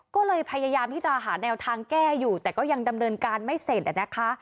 ก็เลยพยายามที่จะหาแนวทางแก้อยู่แต่ก็ยังดำเนินการไม่เสร็จนะคะ